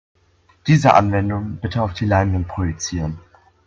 Diese Anwendung bitte auf die Leinwand projizieren.